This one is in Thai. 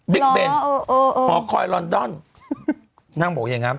เบ๊กเบนอ่อคอยลอนดอนนางบุกอย่างนั้นครับ